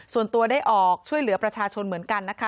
ส่วนตัวได้ออกช่วยเหลือประชาชนเหมือนกันนะคะ